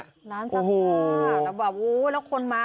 น้ำซักผ้าแต่แบบโอ้ยแล้วคนมา